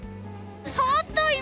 触った今。